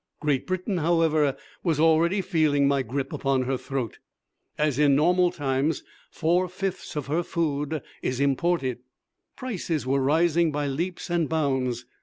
Great Britain, however, was already feeling my grip upon her throat. As in normal times four fifths of her food is imported, prices were rising by leaps and bounds.